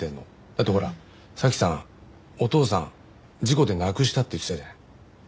だってほら早紀さんお父さん事故で亡くしたって言ってたじゃない。